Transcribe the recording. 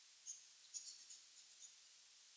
دغه منطق په ځانګړې توګه په ټولنو کې عملي نه برېښي.